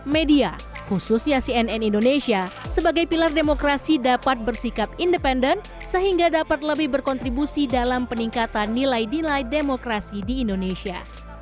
media khususnya cnn indonesia sebagai pilar demokrasi dapat bersikap independen sehingga dapat lebih berkontribusi dalam peningkatan nilai nilai demokrasi di indonesia